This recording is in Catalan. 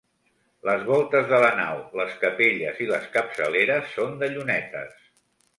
Les voltes de la nau, les capelles i les capçaleres són de llunetes.